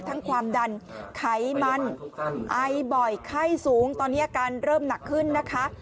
ความดันไขมันไอบ่อยไข้สูงตอนนี้อาการเริ่มหนักขึ้นนะคะ